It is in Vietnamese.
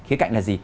khía cạnh là gì